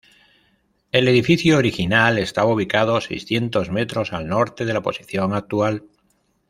El edificio original estaba ubicado seiscientos metros al norte de la posición actual.